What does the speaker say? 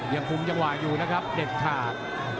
ลุงจังหว่าอยู่นะครับเด็ดขาด